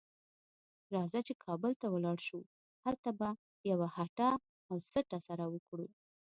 راځه چې کابل ته ولاړ شو؛ هلته به یوه هټه او سټه سره وکړو.